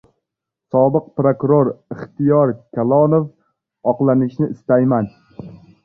Sobiq prokuror Ixtiyor Kalonov: «Oqlanishni istayman»